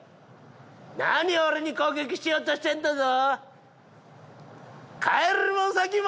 何俺に攻撃しようとしてんだよ。